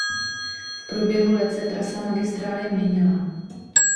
V průběhu let se trasa magistrály měnila.